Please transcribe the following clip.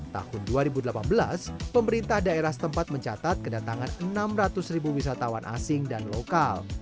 tahun dua ribu delapan belas pemerintah daerah setempat mencatat kedatangan enam ratus ribu wisatawan asing dan lokal